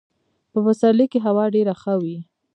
په پسرلي کي هوا ډېره ښه وي .